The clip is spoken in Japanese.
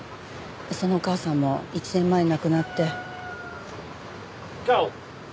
そのお母さんも１年前に亡くなって。